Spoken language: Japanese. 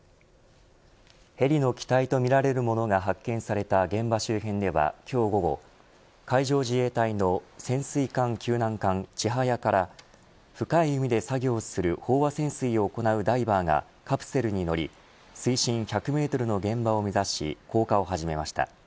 ヘリの機体とみられるものが発見された現場周辺では今日午後海上自衛隊の潜水艦救難艦ちはやから深い海で作業する飽和潜水を行うダイバーがカプセルに乗り水深１００メートルの現場を目指し降下を始めました。